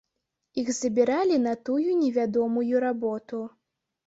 Іх забіралі на тую невядомую работу.